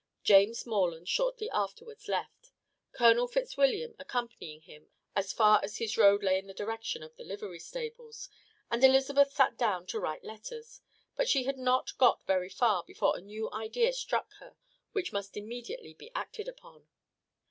James Morland shortly afterwards left, Colonel Fitzwilliam accompanying him as far as his road lay in the direction of the livery stables; and Elizabeth sat down to write letters, but she had not got very far before a new idea struck her which must immediately be acted upon.